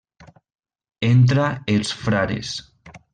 Entra els frares.